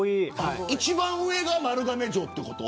一番上が丸亀城ってこと。